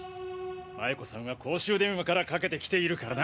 麻也子さんは公衆電話からかけてきているからな。